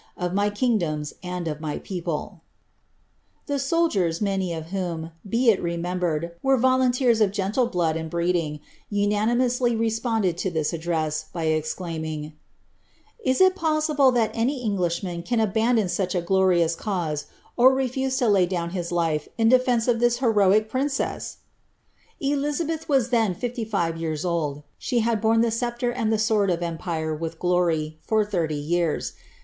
of mr kingdoniH, and nf my people." The soldiers, many of whom, be it remembered, were volunteers pf genile blood and breeding, unanimously responded to this address, by exclaiming, "Is it possible thai any Englishman can abandon such i glorious cause, or refuse lo lay down his life in defence of this heroic princess r" ' Eliiabeih was then fifly five years old — she had borne the scepUf and the sword of empire with glory for thirty years.